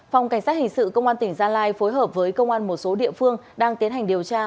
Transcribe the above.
phòng cảnh sát hình sự công an tỉnh gia lai phối hợp với công an một số địa phương đang tiến hành điều tra